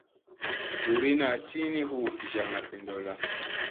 Luurina tiini hu gijaŋga vi ɗolla.